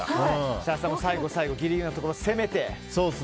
設楽さんも最後の最後ギリギリのところを攻めて。